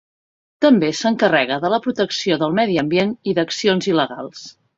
També s'encarrega de la protecció del medi ambient i d'accions il·legals.